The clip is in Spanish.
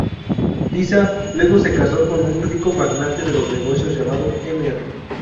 Lissa luego se casó con un rico magnate de los negocios llamado Mr.